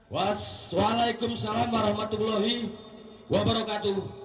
wassalamualaikum warahmatullahi wabarakatuh